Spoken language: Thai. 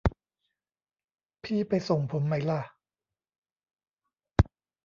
พี่ไปส่งผมไหมล่ะ